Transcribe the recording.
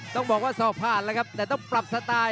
ต้องบอกว่าสอบผ่านแล้วครับแต่ต้องปรับสไตล์